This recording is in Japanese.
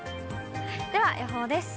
では、予報です。